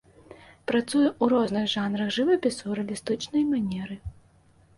Працуе ў розных жанрах жывапісу ў рэалістычнай манеры.